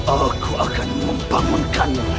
aku akan membangunkanmu